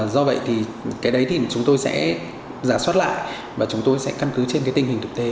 do vậy chúng tôi sẽ giả soát lại và chúng tôi sẽ căn cứ trên tình hình thực tế